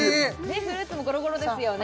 フルーツもゴロゴロですよね